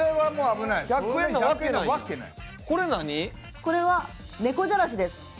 これは猫じゃらしです。